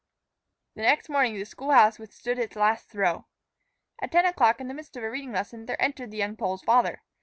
The next morning the school house withstood its last throe. At ten o'clock, in the midst of a reading lesson, there entered the young Pole's father.